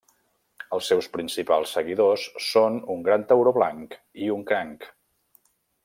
Els seus principals seguidors són un gran tauró blanc i un cranc.